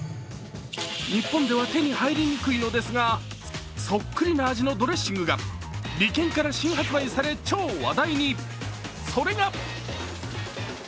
日本では手に入りにくいのですが、そっくりな味のドレッシングがリケンから新発売され超話題に。